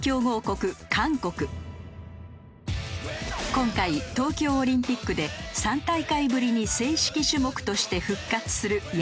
今回東京オリンピックで３大会ぶりに正式種目として復活する野球。